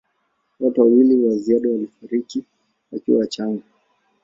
Watoto wawili wa ziada walifariki wakiwa wachanga.